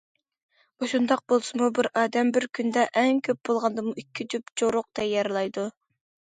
مۇشۇنداق بولسىمۇ بىر ئادەم بىر كۈندە ئەڭ كۆپ بولغاندىمۇ ئىككى جۈپ چورۇق تەييارلايدۇ.